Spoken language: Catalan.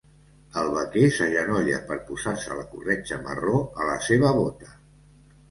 El vaquer s'agenolla per posar-se la corretja marró a la seva bota.